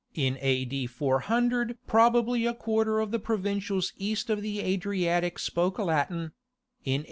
In A.D. 400 probably a quarter of the provincials east of the Adriatic spoke Latin; in A.